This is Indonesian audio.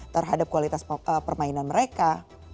terhadap kualitas permainan mereka